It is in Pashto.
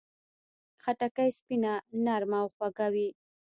خټکی سپینه، نرمه او خوږه وي.